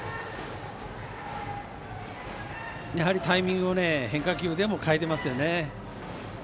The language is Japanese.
タイミングを、変化球でも変えてますよね。